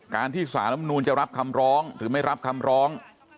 การที่สารรัฐมนูลจะรับคำร้องหรือไม่รับคำร้อง